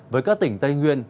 với các tỉnh tây nguyên